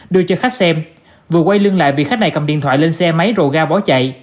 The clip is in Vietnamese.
đưa cho khách xem vừa quay lưng lại việc khách này cầm điện thoại lên xe máy rồ ga bỏ chạy